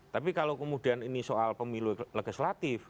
tapi kalau kemudian ini soal pemilu legislatif